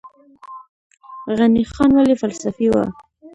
غني خان ولې فلسفي و؟